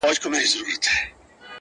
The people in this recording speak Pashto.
ستا په مخ کي دروغ نه سمه ویلای.!